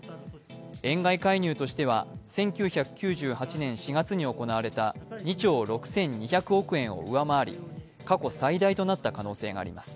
円買い介入としては１９９８年４月に行われた２兆６２００億円を上回り過去最高となった可能性があります。